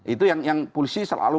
itu yang polisi selalu